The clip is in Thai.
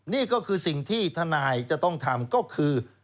นี่ก็คือสิ่งที่ทนายจะต้องทำก็คือ